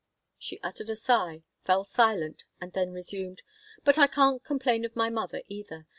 She uttered a sigh, fell silent, and then resumed: "But I can't complain of my mother, either.